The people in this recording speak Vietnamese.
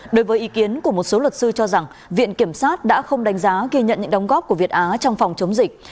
đối với ý kiến của một số luật sư cho rằng viện kiểm sát đã không đánh giá ghi nhận những đóng góp của việt á trong phòng chống dịch